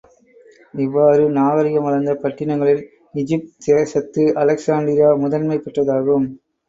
இவ்வாறு நாகரிகம் வளர்ந்த பட்டினங்களில், ஈஜிப்த் தேசத்து அலெக்ஸாண்டிரியா முதன்மை பெற்றதாகும்.